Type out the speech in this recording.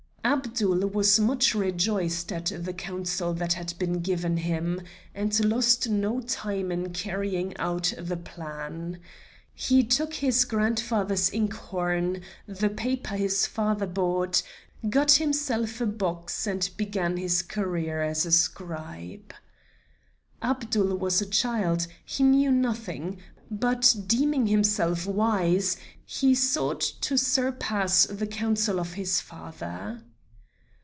Abdul was much rejoiced at the counsel that had been given him, and lost no time in carrying out the plan. He took his grandfather's ink horn, the paper his father bought, got himself a box and began his career as a scribe. Abdul was a child, he knew nothing, but deeming himself wise he sought to surpass the counsel of his father.